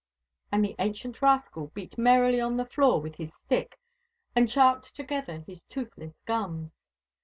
And the ancient rascal beat merrily on the floor with his stick and charked together his toothless gums.